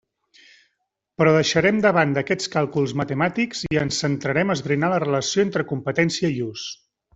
Però deixarem de banda aquests càlculs matemàtics i ens centrarem a esbrinar la relació entre competència i ús.